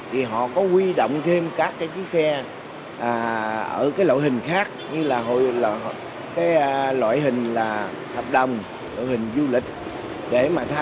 thì họ có quy động thêm các chiếc xe ở loại hình khác như là loại hình hợp đồng loại hình du lịch